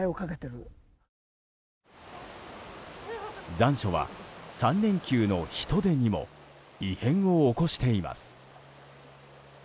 残暑は３連休の人出にも異変を起こしています。